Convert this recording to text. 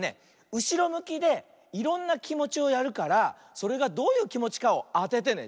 うしろむきでいろんなきもちをやるからそれがどういうきもちかをあててね。